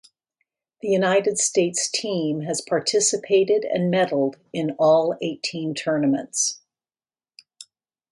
The United States team has participated and medaled in all eighteen tournaments.